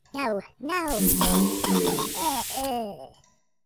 el modo gr